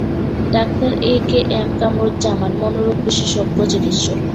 Doctor A K M Kamruzzaman মনোরোগ বিশেষজ্ঞ চিকিৎসক।